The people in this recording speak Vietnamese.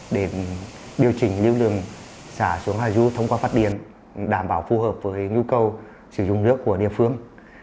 để điều chỉnh lưu lượng xả xuống hà du thông qua phát điện đảm bảo phù hợp với nhu cầu sử dụng nước của địa phương